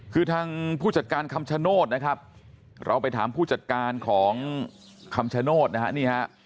คือทางผู้จัดการคำชโนธนะครับเราไปถามผู้จัดการของคำชโนธนะฮะนี่ฮะ